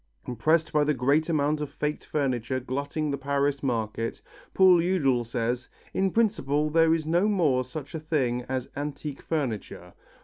Impressed by the great amount of faked furniture glutting the Paris market, Paul Eudel says, "in principle there is no more such a thing as antique furniture.